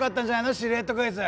シルエットクイズ。